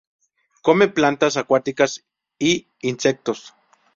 Come plantas acuáticas y insectos.